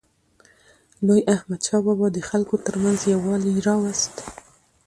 لوی احمدشاه بابا د خلکو ترمنځ یووالی راوست.